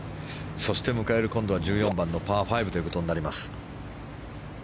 そして迎える、今度は１４番のパー５となります。